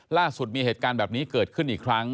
ล่าสุดมีเหตุการณ์แบบนี้เกิดขึ้นอีกครั้ง